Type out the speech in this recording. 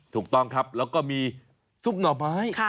ถูกต้องครับแล้วก็มีซุปหน่อไม้